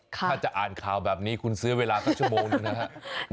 ถ้าจะอ่านข่าวแบบนี้คุณซื้อเวลาสักชั่วโมงหนึ่งนะครับ